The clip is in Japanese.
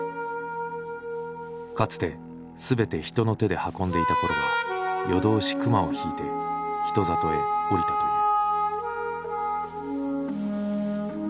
かつて全て人の手で運んでいた頃は夜通し熊を引いて人里へ下りたという。